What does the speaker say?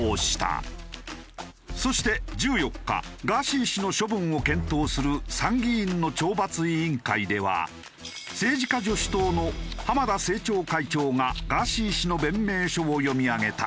そして１４日ガーシー氏の処分を検討する参議院の懲罰委員会では政治家女子党の浜田政調会長がガーシー氏の弁明書を読み上げた。